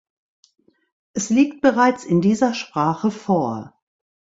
Es liegt bereits in dieser Sprache vor.